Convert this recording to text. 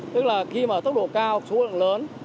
tức là khi mà tốc độ cao số lượng lớn